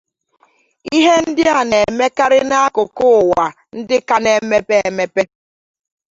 Ihe ndị a n’emekarị n’akụkụụwa ndị ka n’emepe emepe.